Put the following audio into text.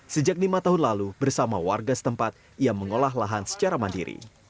sejak lima tahun lalu bersama warga setempat ia mengolah lahan secara mandiri